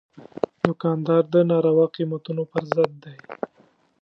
دوکاندار د ناروا قیمتونو پر ضد دی.